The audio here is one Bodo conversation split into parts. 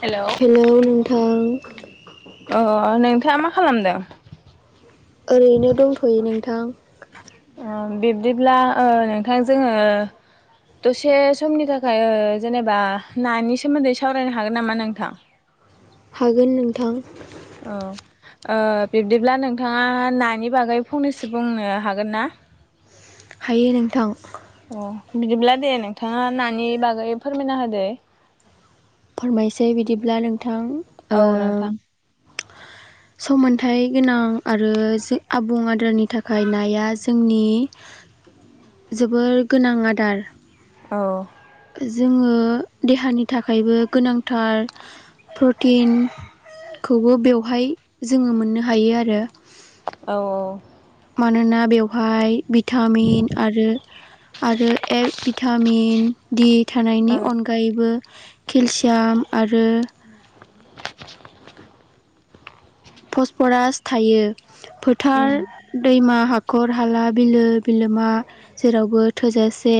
हेलौ अ नोंथाङा मा खालामदों ओरैनो दंथ'यो नोंथां बिब्दिब्ला नोंथां जोङो दसे समनि थाखाय जेनेबा नानि सोमोन्दै सावरायनो हागोन नामा नोंथां हागोन नोंथां औ बिब्दिब्ला नोंथाङा नानि बागै फंनैसो बुंनो हागोन ना हायो नोंथां अ बिदिब्ला दे नोंथाङा नानि बागै फोरमायना होदो फोरमायसै बिदिब्ला नोंथां औ नोंथां सम्थाइ गोनां आरो आबुं आदारनि थाखाय नाया जोंनि जोबोर गोनां आदार औ जोङो देहानि थाखायबो गोनांथार प्रटिनखौबो बेवहाय जोङो मोननो हायो आरो औ औ मानोना बेवहाय भिटामिन आरो आरो ए भिटामिन दिड औ थानायनि ओं अनगायैबो केलसियाम आरो [inaudible] पसपरास थायो उम फोथार दैमा हाखर हाला बिलो बिलोमा जेरावबो थोजासे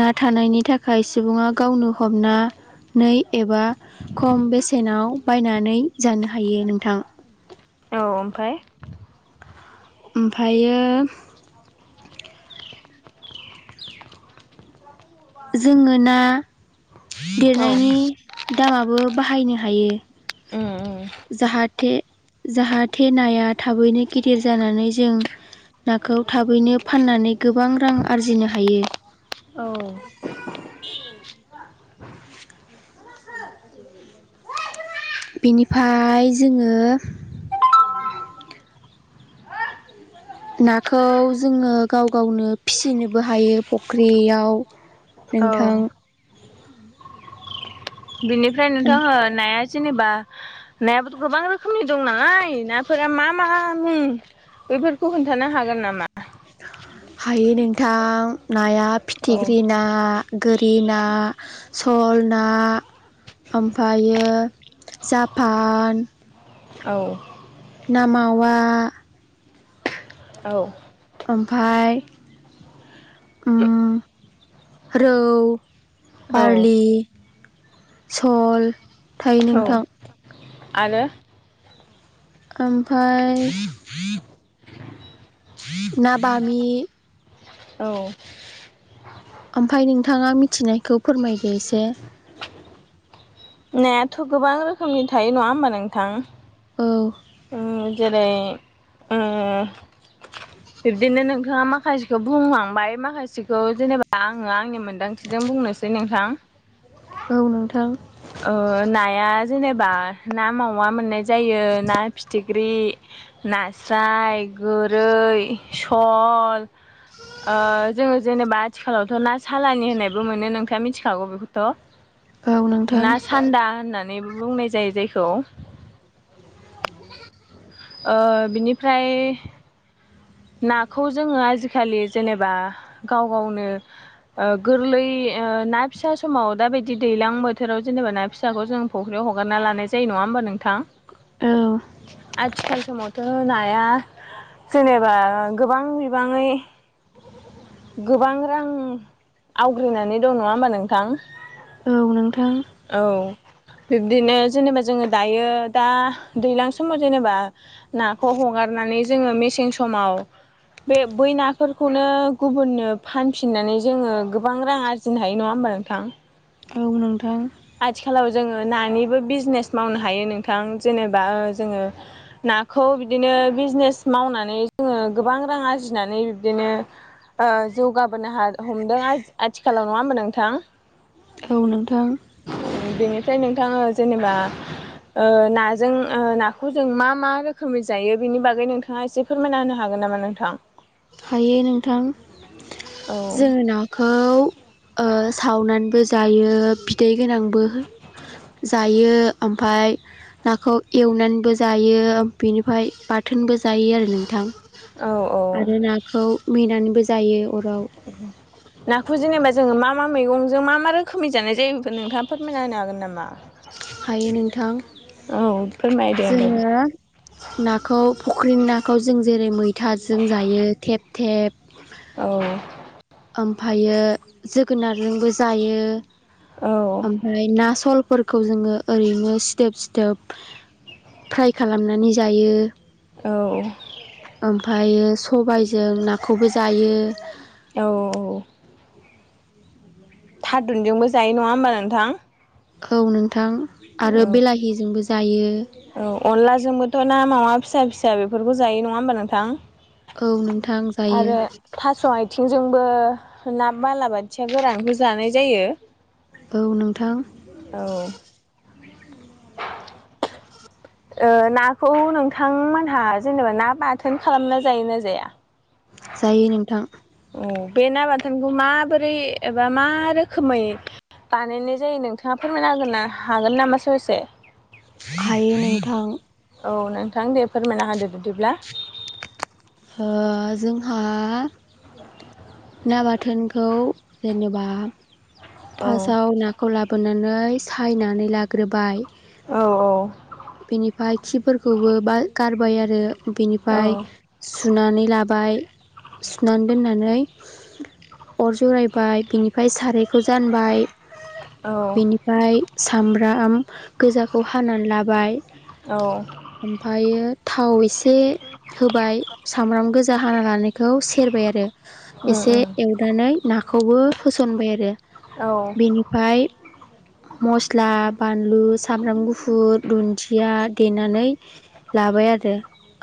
ना थानायनि थाखाय सुबुङा गावनो हमना नै एबा खम बेसेनाव बायनानै जानो हायो नोंथां औ ओमफ्राय ओमफ्रायो जोङो ना औ देरनायनि दामाबो बाहायनो हायो। उम उम जाहा थे जाहाथे नाया थाबैनो गिदिर जानानै जों नाखौ थाबैनो फाननानै गोबां रां आरजिनो हायो। औ [inaudible] बेनिफाय जोङो [inaudible] नाखौ जोङो गाव गावनो फिसिनोबो हायो फख्रियाव नोंथां औ बिनिफ्राय नोंथां ओ नाया जेनेबा नायाबोथ' गोबां रोखोमनि दं नालाय नाफोरा मा मा मुं? बेफोरखौ खोन्थानो हागोन नामा? हायो नोंथां नाया औ फिथिख्रि ना गोरि ना स लना ओमफ्रायो जापान औ ना मावा औ ओमफाय उम रौ बारलि सल थायो औ नोंथां आरो ओमफाय ना बामि औ ओमफाय नोंथाङा मिथिनायखौ फोरमायदो एसे नायाथ' गोबां रोखोमनि थायो नङा होमबा नोंथां औ उम जेरै ओ बिब्दिनो नोंथाङा माखासेखौ बुंलांबाय माखासेखौ जेनेबा आङो आंनि मोनदांथिजों बुंनोसै नोंथां औ नोंथां ओ नाया जेनेबा ना मावा मोननाय जायो ना फिथिख ख्रि नास्राय गोरै स'ल ओ जोङो जेनेबा आथिखालावथ' ना सालानि होननायबो मोनो नोंथाङा मिथिखागौ बेखौथ' औ नोंथां ना सान्दा होननानैबो बुंनाय जायो जायखौ ओ बिनिफ्राय नाखौ जोङो आजिखालि जेनेबा गाव गावनो ओ गोरलै ओ ना फिसा समाव दा बायदि दैलां बोथोराव जेनेबा ना फिसाखौ जों फख्रियाव हगारना लानाय जायो नङा होमबा नोंथां औ आथिखाल समावथ' नाया जेनेबा ओ गोबां बिबाङै गोबां रां आवग्रिनानै दं नङा होमबा नोंथां औ नोंथां औ बिब्दिनो जेनेबा जोङो दायो दा दैज्लां समाव जेनेबा नाखौ हगारनानै जोङो मेसें समाव बे बै नाफोरखौनो गुबुननो फानफिननानै जोङो गोबां रां आरजिनो हायो नङा होमबा नोंथां? औ नोंथां आथिखालाव जोङो नानिबो बिजनेस मावनो हायो नोंथां जेनेबा ओ जोङो नाखौ बिदिनो बिजनेस मावनानै जोङो गोबां रां आरजिनानै बिदिनो ओ जौगाबोनो हा हमदों आथिखालाव नङा होनोमा नोंथां औ नोंथां बेनिफ्राय नोंथां ओं जेनेबा ओ नाजों ओ नाखौ जों मा मा रोखोमै जायो बेनि बागै नोंथाङा एसे फोरमायना होनो हागोन नामा नोंथां हायो नोंथां औ जोङो नाखौ ओ सावनानैबो जायो बिदै गोनांबो जायो ओमफ्राय नाखौ एवनानैबो जायो बेनिफ्राय बाथोनबो जायो जायो आरो नोंथां औ औ आरो नाखौ मेनानैबो जायो अराव नाखौ जेनेबा जोङो मा मा मा मैगंजों मा मा रोखोमनि जानाय जायो बेखौ नोंथाङा फोरमायना होनो हागोन नामा हायो नोंथां औ फोरमायदो होमबा जोङो नाखौ फुख्रिनि नाखौ जों जेरै मैथाजों जायो थेब थेब औ ओमफ्रायो जोगोनारजोंबो जायो औ ओमफ्राय ना सल फोरखौ जोङो ओरैनो सिदोब सिदोब फ्राय खालामनानै जायो औ ओमफ्रायो सबायजों नाखौबो जायो औ थारुनजोंबो जायो नङा होमबा नोंथां औ नोंथां आरो बिलाहिजोंबो जायो औ अनलाजोंबोथ' ना मावा फिसा फिसा बेफोरखौ जायो नङा होमबा नोंथां औ नोंथां जायो आरो थास' आथिंजों बो ना बालाबाथिया गोरानखौ जानाय जायो औ नोंथां औ [unintelligible] नाखौ नोंथांमोनहा जेनेबा ना बाथोन खालामना जायो ना जाया जायो नोंथां औ बे ना बाथोनखौ माबोरै एबा मा रोखोमै बानायनाय जायो नोंथाङा फोरमायना हागोन ना हागोन नामा ससे हायो नोंथां औ नोंथां दे फोरमायना होदो बिदिब्ला ओ जोंहा ना बाथोन खौ जेनेबा औ। फार्साव नाखौ ला बोनानै सायनानै लाग्रोबाय औ बेनिफ्राय खिफोरखौबो बा गारबाय आरो औ बेनिफ्राय सुनानै लाबाय सुनानै दोननानै अर जरायबाय बिनिफ्राय सारायखौ जानबाय औ बेनिफ्राय सामब्राम गोजाखौ हानानै लाबाय औ ओमफ्रायो थाव एसे होबाय सामब्राम गोजा हाना लानायखौ सेरबाय आरो उम एसे एवनानै ना खौबो होसनबाय आरो औ बेनिफ्राय मस्ला बानलु सामब्राम गुफुर दुन्दिया देनानै लाबाय आरो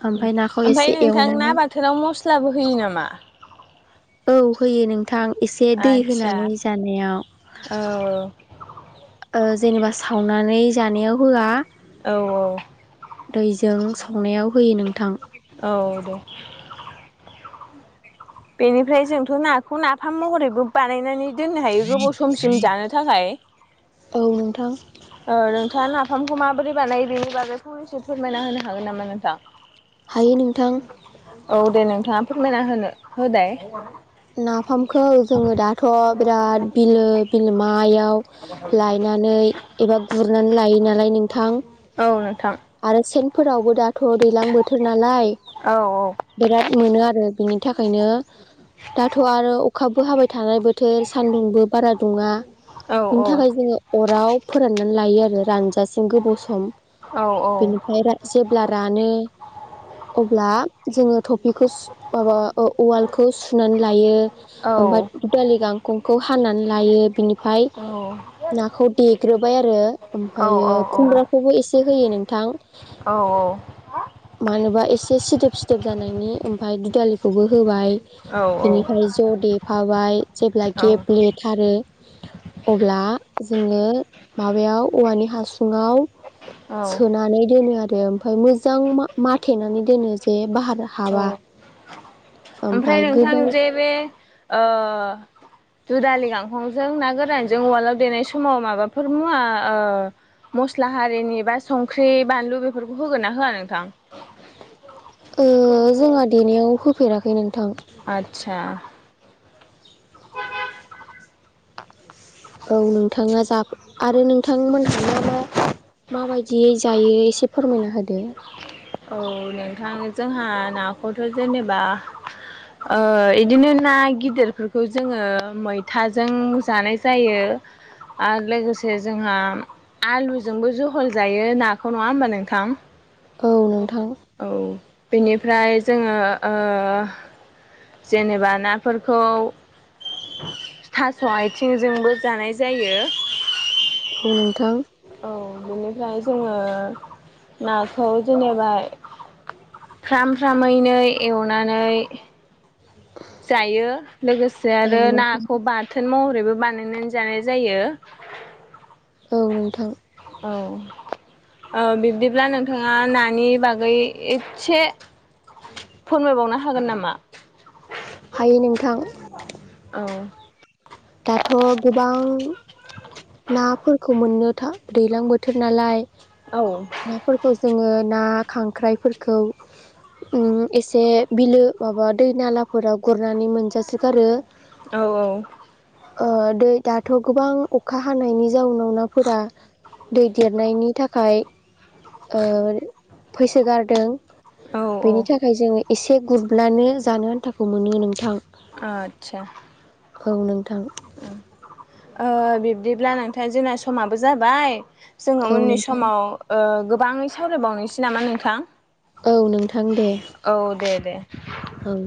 ओमफ्राय नाखौ ओमफ्राय एसे नोंथां एवनानै ना बाथोनाव मस्लाबो होयो नामा औ होयो नोंथां एसे दै आदसा होनानै जानायाव औ जेनेबा सावनानै जानायाव होआ औ दैजों सावनायाव होयो नोंथां औ दे बेनिफ्राय जोंथ' नाखौ नाफाम महरैबो बानायनानै दोननो हायो गोबाव समसिम जानो थाखाय औ नोंथां औ नोंथाङा नाफामखौ माबोरै बानायो बेनि बागै फ एसे फोरमायना होनो हागोन नामा नोंथां हायो नोंथां औ दे नोंथाङा फोरमायना होनो होदाय नाफामखौ जोङो दाथ' बिराद बिलो बिलो मा मायाव ल एबा गुरनानै लायो नालाय नोंथां औ नोंथां आरो सेनफोरावबो दाथ' दै्लां बोोर बोथोर नालाय औ बिराद मोनो आरो बिनि थाखायनो दाथ' आरो अखाबो हाबाय थानाय बोथोर सान्दुंबो बारा दङा औ बिनि थाखाय औ जोङो अराव फोराननानै लायो आरो रानजासिम गोबाव सम औ बेनिफ्राय जेब्ला रानो अब्ला जोङो थफिखौ माबा उवालखौ सुनानै लायो औ ओमफफ्राय उ दालि गांखंखौ हानानै लायो बिनिफ्राय औ नाखौ देग्रोबाय आरो औ ओमफ्रायो औ औ खुमब्राखौबो एसे होयो नोंथां औ औ मानोबा एसे सिदोब सिदोब जानायनि ओमफफ्राय दुदालिखौबो होबाय औ बेनिफ्राय ज' देफाबाय जेब्ला औ गेप लेथारो अब्ला जोङो माबायाव औवानि हासुङाव औ सोनानै दोनो आरो ओमफ्राय मोजां माथेनानै दोनो जे बार औ हाबा ओमफ्राय जखां गोबाव जेब दु दालि गांखंजों ना गोरानजों उवालाव देनाय समाव माबाफोर मुवा मस्ला हारिनि बा संख्रि बानलु बेफोरखौ होगोन ना होआ नोंथां जोंहा देनायाव होफेराखै नों आचसाा औ नोंथाङा जाफ आरो नोंथांमोन हाङाबा माबायदिय जायो एसे फोरमायना होदो औ नोंथां जोंहा नाखौथ' जेनेबा इदिनो ना गिदिरफोरखौ जोङो मैथाजों जानाय जायो आरो लोगोसे जोंहा आलुजोंबो जहल जायो नाखौ नङा होमबा नोंथां औ नोंथां औ बेनिफ्राय जोङो जेनेबा नाफोरखौ थास' आथिंजोंबो जानाय जायो औ नोंथां औ बेनिफ्राय जोङो नाखौ जेनेबा फ्राम फ्रामैनो एवनानै जायो लोगोसे औ आरो नोंथां नाखौ बाथोन महरै फ्रायबो बानायनानै जानाय जायो औ नोंथां औ औ बिब्दिब्ला नोंथाङा नानि बागै एसे फोरमायबावनो हागोन नामा हायो नोंथां औ दाथ' गोबां नाफोरखौ मोननो था दैज्लां बोथोर नालाय औ नाफोरखौ जोङो ना खांख्राइफोरखौ एसे बिलो माबा दै नालाफोराव गुरनानै मोनजासोगारो औ औ दै दाथ' गोबां अखा हानायनि जाउनाव नाफोरा दै देरनायनि थाखाय फैसोगारदों औ औ बेनि थाखाय जोङो एसे गुरब्लानो जानो आन्थाखौ मोनो नोंथां आतसा औ नोंथां बिब्दिब्ला नोंथाङा जोंना समाबो जाबाय जोङो औ उननि नोंथां समाव गोबाङै सावरायबावनोसै नामा नोंथां औ नोंथां दे औ दे दे औ